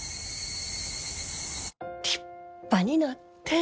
立派になって。